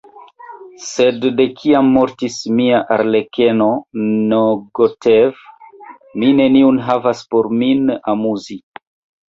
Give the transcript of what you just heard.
Sed de kiam mortis mia arlekeno Nogtev, mi neniun havas por min amuzi.